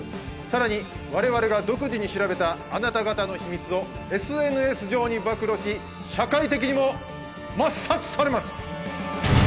さらに我々が独自に調べたあなた方の秘密をＳＮＳ上に暴露し社会的にも抹殺されます。